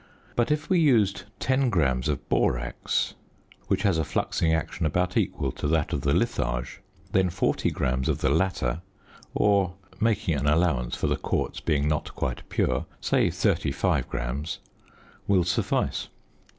But if we used 10 grams of borax, which has a fluxing action about equal to that of the litharge, then 40 grams of the latter, or (making an allowance for the quartz being not quite pure) say 35 grams, will suffice.